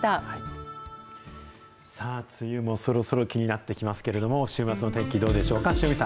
さあ、梅雨もそろそろ気になってきますけれども、週末のお天気どうでしょうか。